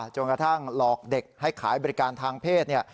จนกระทั่งหลอกเด็กให้ขายบริการทางเพศ